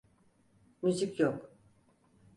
Müzik yok.